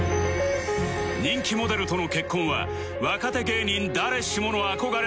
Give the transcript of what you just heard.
人気モデルとの結婚は若手芸人誰しもの憧れなのだが